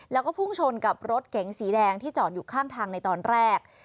แล้วก็พุ่งชนกับรถเก๋งสีแดงที่จอดอยู่ข้างทางในตอนแรก